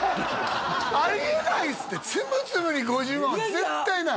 あり得ないですって「ツムツム」に５０万は絶対ない！